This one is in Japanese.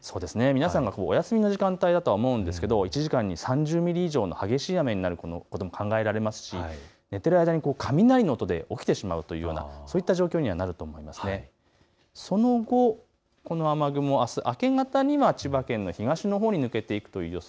皆さんがお休みの時間帯だとは思うんですけれども１時間に３０ミリ以上の激しい雨になることも考えられますし寝ている間に雷の音で起きてしまうというような、そういった状況になると思います。